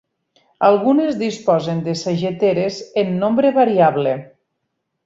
Algunes disposen de sageteres, en nombre variable.